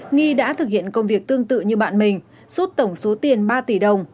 nghi đã thực hiện công việc tương tự như bạn mình suốt tổng số tiền ba tỷ đồng